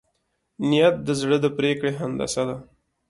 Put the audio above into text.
نیت د زړه د پرېکړې هندسه ده.